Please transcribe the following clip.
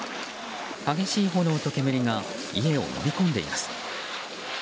激しい炎と煙が家をのみ込んでいます。